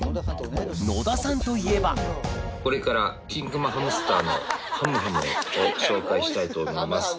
野田さんといえばこれからキンクマハムスターのはむはむを紹介したいと思います。